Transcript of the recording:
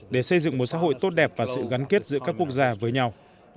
để xây dựng một xã hội tốt đẹp và sự gắn kết giữa các quốc gia với nhau